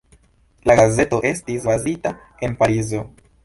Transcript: La gazeto estis bazita en Parizo.